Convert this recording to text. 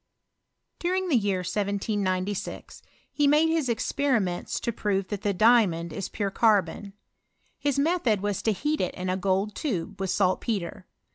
During the year 1796 he made his experiments to prove that the diamond is pure carbon. His method was to heat it in a gold tube, with saltpetre.